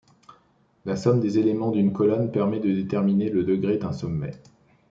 La somme des éléments d'une colonne permet de déterminer le degré d'un sommet.